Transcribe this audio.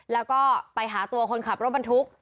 แล้วก็ไปหาตัวคนขับรถบรรทุก